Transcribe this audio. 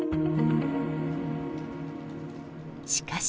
しかし。